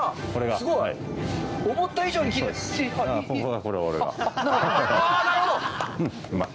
すごい。思った以上にきれい。